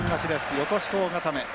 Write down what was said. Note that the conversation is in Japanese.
横四方固め。